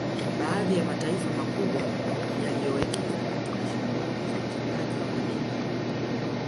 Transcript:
Baadhi ya mataifa makubwa yaliyowekeza katika shughuli za uchimbaji wa madini